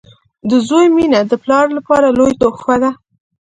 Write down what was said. • د زوی مینه د پلار لپاره لویه تحفه وي.